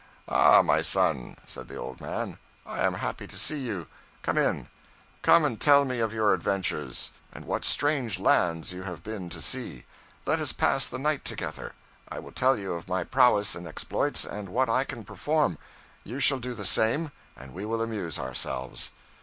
'Ah, my son,' said the old man, 'I am happy to see you. Come in. Come and tell me of your adventures, and what strange lands you have been to see. Let us pass the night together. I will tell you of my prowess and exploits, and what I can perform. You shall do the same, and we will amuse ourselves.'